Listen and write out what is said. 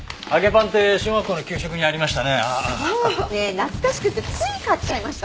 懐かしくてつい買っちゃいました。